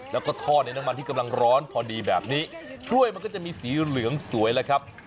แล้วก็ทอดในน้ำมันที่กำลังร้อนพอดีแบบนี้กล้วยมันก็จะมีสีเหลืองสวยแล้วครับ